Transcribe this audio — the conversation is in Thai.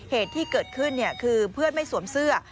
เหตุที่เกิดขึ้นคือเพื่อนไม่สวมเสื้อ